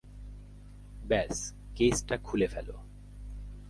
ব্যস কেসটা খুলে ফেল।